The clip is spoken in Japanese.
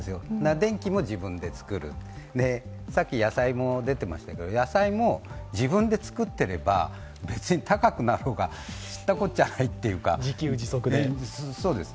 電気も自分で作る、さっき野菜も出ていましたが、野菜も自分で作っていれば別に高くなろうが知ったこっちゃないというか。